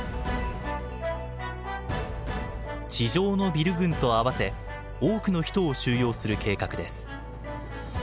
地上のビル群と合わせ多くの人を収容する計画です。